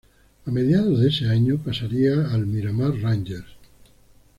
A mediados de ese año pasaría al Miramar Rangers.